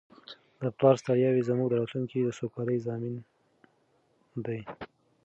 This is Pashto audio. د پلار ستړیاوې زموږ د راتلونکي د سوکالۍ ضامنې دي.